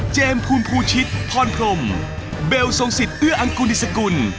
เจมส์ภูมิภูชิตพรพรมเบลสงสิตเอื้ออังกูนิสกุล